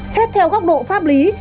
xét theo góc độ pháp lý